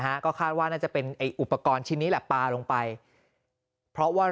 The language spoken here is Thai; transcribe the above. ก็คาดว่าน่าจะเป็นไอ้อุปกรณ์ชิ้นนี้แหละปลาลงไปเพราะว่า